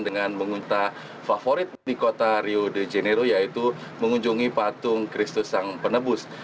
dengan mengunta favorit di kota rio de janeiro yaitu mengunjungi patung kristus sang penebus